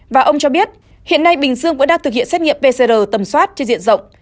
và ông cho biết hiện nay bình dương vẫn đang thực hiện xét nghiệm pcr tầm soát trên diện rộng